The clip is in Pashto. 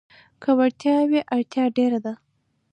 که وړتيا وي، اړتيا ډېره ده.